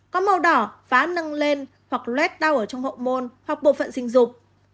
có màu đỏ phá nâng lên hoặc luet đau ở trong hộp môn hoặc bộ phận sinh dục